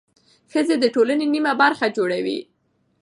ښځې د ټولنې نیمه برخه جوړوي.